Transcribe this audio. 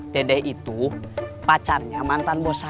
dede itu pacarnya mantan bos satu